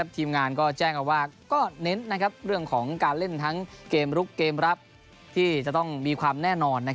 ทีมงานก็แจ้งเอาว่าก็เน้นเรื่องของการเล่นทั้งเกมลุกเกมรับที่จะต้องมีความแน่นอน